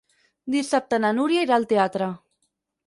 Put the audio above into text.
Dissabte na Núria irà al teatre.